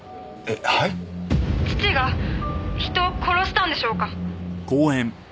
「父が人を殺したんでしょうか？」